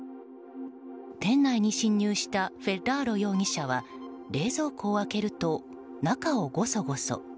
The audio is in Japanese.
店内に侵入したフェッラーロ容疑者は冷蔵庫を開けると、中をゴソゴソ。